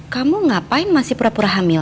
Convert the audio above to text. kamu ngapain masih pura pura hamil